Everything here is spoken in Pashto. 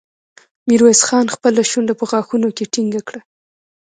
ميرويس خان خپله شونډه په غاښونو کې ټينګه کړه.